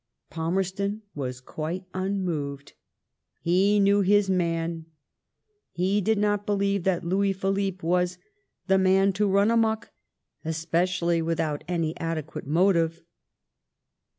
Palmerston was quite unmoved. He knew his man. He did not believe that Louis Philippe was " the man to run amuck, especially without any adequate motive